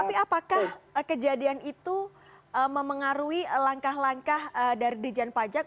tapi apakah kejadian itu memengaruhi langkah langkah dari di jan pajak